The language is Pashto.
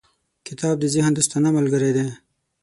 • کتاب د ذهن دوستانه ملګری دی.